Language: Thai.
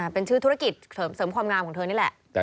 เป็นชื่อธุรกิจเสริมความงามของเธอนี่แหละ